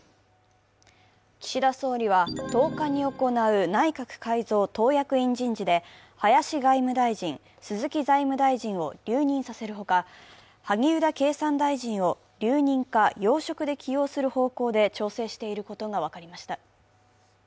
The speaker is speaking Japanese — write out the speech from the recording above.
岸田総理は１０日に行う内閣改造・党役員人事で林外務大臣、鈴木財務大臣を留任させるほか、萩生田経産大臣を留任か要職で起用する方向で調整していることが分かりました。